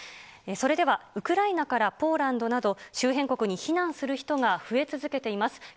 それでは、ウクライナからポーランドなど、周辺国に避難する人が増え続けています。